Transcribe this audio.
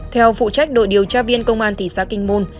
theo phụ trách đội điều tra viên công an thị xã kinh môn